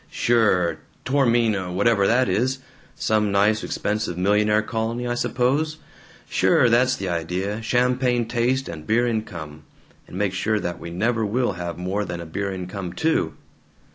"Sure, Tormina, whatever that is some nice expensive millionaire colony, I suppose. Sure; that's the idea; champagne taste and beer income; and make sure that we never will have more than a beer income, too!"